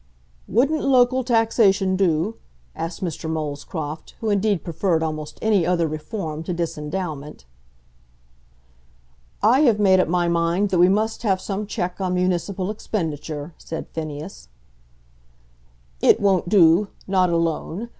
"Wouldn't local taxation do?" asked Mr. Molescroft, who indeed preferred almost any other reform to disendowment. "I have made up my mind that we must have some check on municipal expenditure," said Phineas. "It won't do not alone.